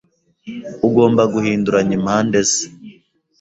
Ugomba guhinduranya impande ze